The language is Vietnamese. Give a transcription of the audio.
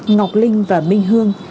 ngọc linh và minh hương